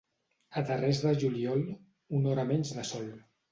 A darrers de juliol, una hora menys de sol.